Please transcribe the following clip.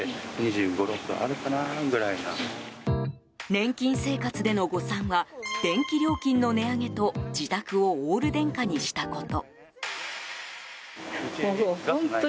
年金生活での誤算は電気料金の値上げと自宅をオール電化にしたこと。